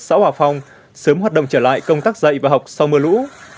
xã hòa phong sớm hoạt động trở lại công tác dạy và học sau mưa lũ